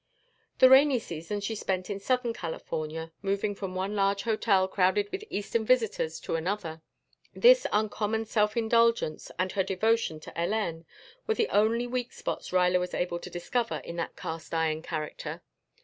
The rainy season she spent in Southern California, moving from one large hotel crowded with Eastern visitors to another. This uncommon self indulgence and her devotion to Hélène were the only weak spots Ruyler was able to discover in that cast iron character.